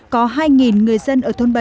có hai người dân ở thôn bảy